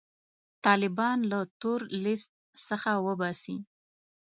طالبان له تور لیست څخه وباسي.